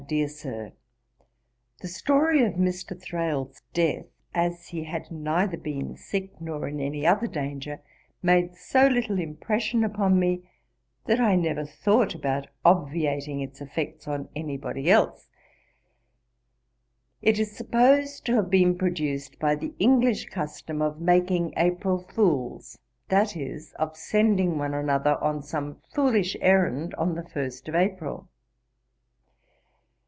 'DEAR SIR, 'The story of Mr. Thrale's death, as he had neither been sick nor in any other danger, made so little impression upon me, that I never thought about obviating its effects on any body else. It is supposed to have been produced by the English custom of making April fools, that is, of sending one another on some foolish errand on the first of April.